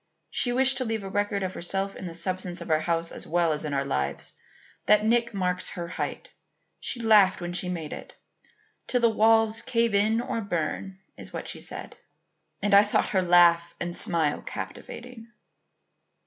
She wished to leave a record of herself in the substance of our house as well as in our lives. That nick marks her height. She laughed when she made it. 'Till the walls cave in or burn,' is what she said. And I thought her laugh and smile captivating."